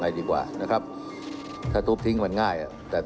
มีความรู้สึกว่า